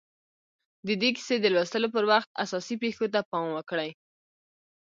د دې کيسې د لوستلو پر وخت اساسي پېښو ته پام وکړئ.